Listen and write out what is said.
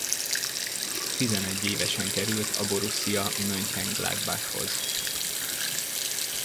Tizenegy évesen került a Borussia Mönchengladbach-hoz.